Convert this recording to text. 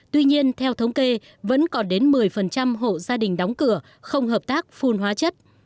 tuy nhiên theo thống kê vẫn còn đến một mươi hộ gia đình đóng cửa không hợp tác phun hóa chất